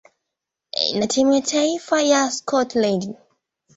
na timu ya taifa ya Scotland.